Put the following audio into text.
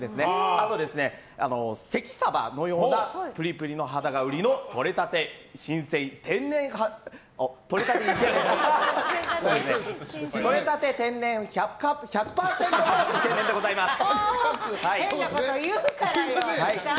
あと、関サバのようなプリプリの肌が売りのとれたて新鮮天然１００％イケメンでございます。